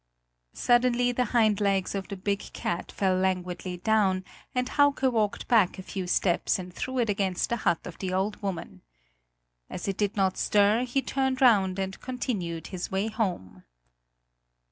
Suddenly the hind legs of the big cat fell languidly down, and Hauke walked back a few steps and threw it against the hut of the old woman. As it did not stir, he turned round and continued his way home.